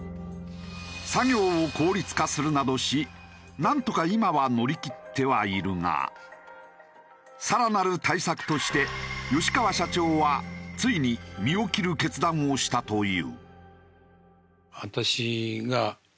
作業を効率化するなどしなんとか今は乗り切ってはいるが更なる対策として吉川社長はついに身を切る決断をしたという。